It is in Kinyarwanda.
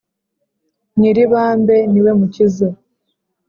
Nyiribambe niwe mukiza.